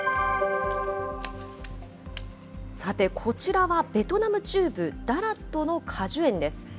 さて、こちらはベトナム中部ダラットの果樹園です。